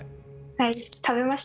はい食べました。